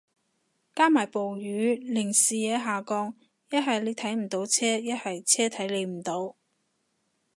加埋暴雨令視野下降，一係你睇唔到車，一係車睇你唔到